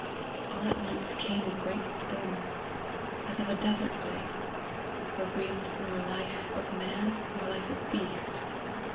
All at once came a great stillness, as of a desert place, where breathed nor life of man nor life of beast.